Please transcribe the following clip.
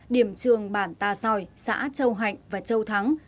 điểm trường bản ta giòi xã châu hạnh và châu thắng